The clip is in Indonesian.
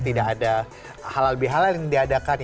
tidak ada halal lebih halal yang diadakan